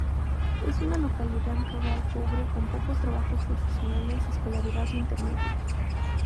Es una localidad rural pobre con pocos trabajos profesionales y escolaridad intermedia.